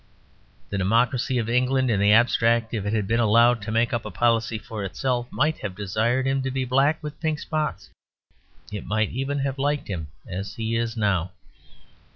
The democracy of England in the abstract, if it had been allowed to make up a policy for itself, might have desired him to be black with pink spots. It might even have liked him as he is now.